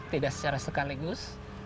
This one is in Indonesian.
tidak secara sekaligus